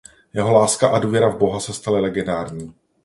Jeho láska a důvěra v Boha se staly legendární.